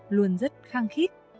luôn rất khăng khít